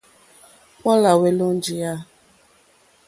Paul à hwélō njìyá.